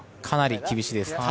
かなり厳しいです。